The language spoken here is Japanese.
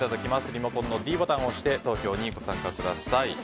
リモコンのｄボタンを押して投票にご参加ください。